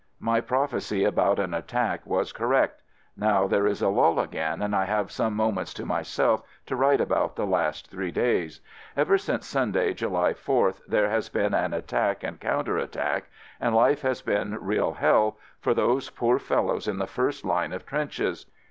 My prophecy about an attack was cor rect. Now there is a lull again and I have some moments to myself to write about the last three days. Ever since Sunday, July 4th, there has been an attack and counter attack, and life has been real hell for those poor fellows in the first line of trenches.